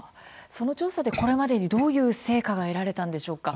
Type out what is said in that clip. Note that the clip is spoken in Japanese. その調査でこれまでにどういう成果が得られたんでしょうか。